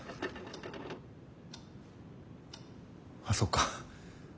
あそっか。